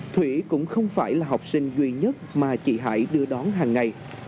thủy cũng không phải là học sinh duy nhất mà chị hải đưa đón hàng ngày